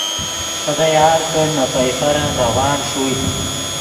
خدا یار کڑ نے پئیفرن روان ݰوئے